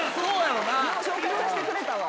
よう紹介させてくれたわ。